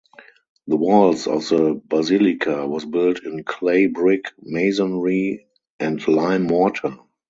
The walls of the basilica was built in clay brick masonry and lime mortar.